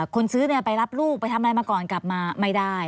คนซื้อไปรับลูกไปทำอะไรมาก่อนกลับมาไม่ได้